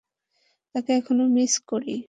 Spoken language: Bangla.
তাকে এখনো মিস করো?